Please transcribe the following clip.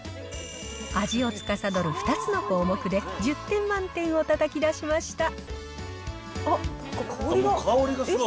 味をつかさどる２つの項目で１０点満点をたたき出しました。